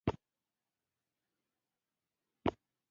لکه پوهنتونه ، مکتبونه موزيمونه، پارکونه ، جوماتونه.